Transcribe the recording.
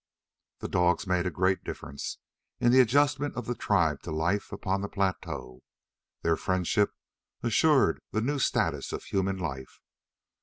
The dogs made a great difference in the adjustment of the tribe to life upon the plateau. Their friendship assured the new status of human life.